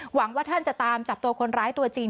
หวังว่าท่านจะตามจับตัวคนร้ายตัวจริง